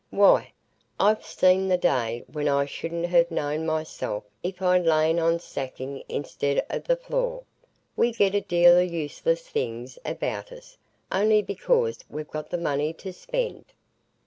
Why, I've seen the day when I shouldn't ha' known myself if I'd lain on sacking i'stead o' the floor. We get a deal o' useless things about us, only because we've got the money to spend."